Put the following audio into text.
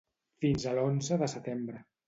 Fins a l’onze de setembre.